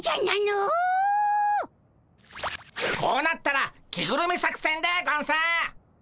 こうなったら着ぐるみ作戦でゴンス！